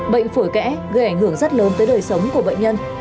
bệnh phổi kẽ gây ảnh hưởng rất lớn tới đời sống của bệnh nhân